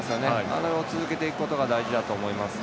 あれを続けていくことが大事だと思います。